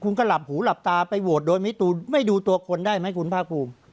คุณก็หลับหูหลับตาไปโหวตโดยไม่ดูตัวคนได้ไหมคุณภาคภูมิ